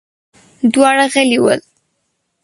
دواړه غلي ول.